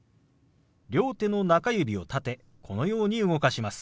両手の中指を立てこのように動かします。